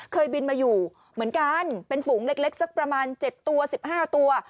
เคยบินมาอยู่เหมือนกันเป็นฝูงเล็กสักประมาณ๗ตัว๑๕ตัว